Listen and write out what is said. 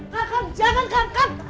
kakak jangan kakak